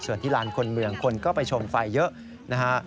ส่วนที่ลานคนเมืองคนก็ไปชมไฟเยอะนะฮะ